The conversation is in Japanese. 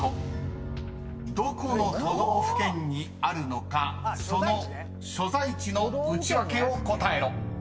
［どこの都道府県にあるのかその所在地のウチワケを答えろ］